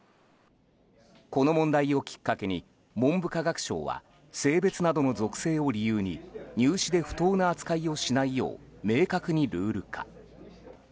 この問題をきっかけに文部科学省は性別などの属性を理由に入試で不当な扱いをしないよう明確にルール化。